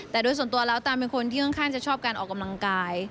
แต่โดยส่วนตัวแล้วตานเป็นคนที่ค่อนข้างจะชอบการออกกำลังกาย